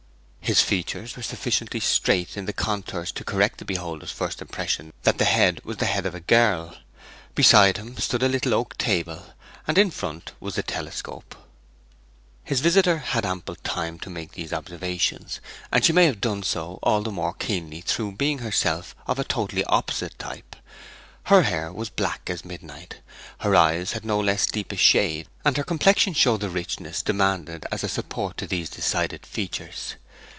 His features were sufficiently straight in the contours to correct the beholder's first impression that the head was the head of a girl. Beside him stood a little oak table, and in front was the telescope. His visitor had ample time to make these observations; and she may have done so all the more keenly through being herself of a totally opposite type. Her hair was black as midnight, her eyes had no less deep a shade, and her complexion showed the richness demanded as a support to these decided features.